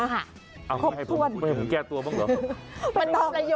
เอาไม่ให้ผมแก้ตัวบ้างเหรอ